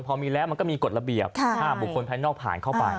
พอมีแล้วมันก็มีกฎระเบียบห้ามบุคคลภายนอกผ่านเข้าไป